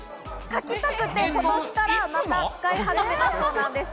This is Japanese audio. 描きたくて、ことしからまた使い始めたそうです。